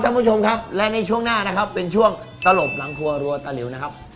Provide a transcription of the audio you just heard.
ท่านผู้ชมครับและในช่วงหน้านะครับเป็นช่วงตลบหลังครัวรัวตะหลิวนะครับ